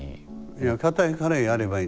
いや硬いからやればいいんですよ。